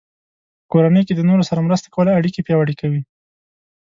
په کورنۍ کې د نورو سره مرسته کول اړیکې پیاوړې کوي.